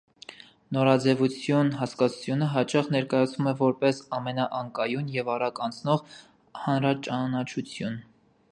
«Նորաձևություն» հասկացությունը հաճախ ներկայացվում է որպես ամենաանկայուն և արագ անցնող հանրաճանաչություն։